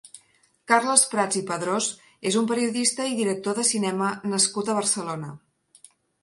Carles Prats i Padrós és un periodista i director de cinema nascut a Barcelona.